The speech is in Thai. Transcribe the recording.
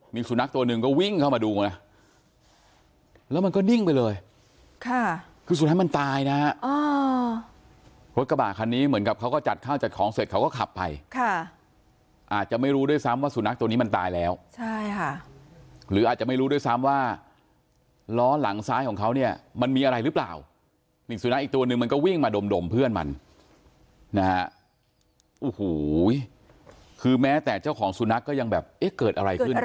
มีสุนัขตัวนึงก็วิ่งเข้ามาดูนะแล้วมันก็นิ่งไปเลยค่ะคือสุนัขมันตายนะฮะ